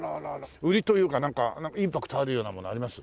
売りというかなんかインパクトあるようなものあります？